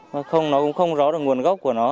mà nó cũng không rõ được nguồn gốc của nó